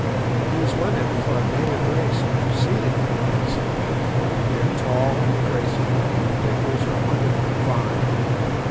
These women, for a native race, are exceedingly handsome. They are tall and graceful, and their figures are wonderfully fine.